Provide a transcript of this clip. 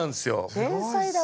天才だわ。